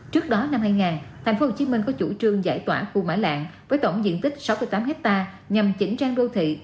trước đó năm hai nghìn tp hcm có chủ trương giải tỏa khu mã lạng với tổng diện tích sáu mươi tám hectare nhằm chỉnh trang đô thị